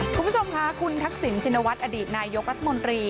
คุณผู้ชมค่ะคุณทักษิณชินวัฒน์อดีตนายกรัฐมนตรี